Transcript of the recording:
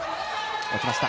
落ちました。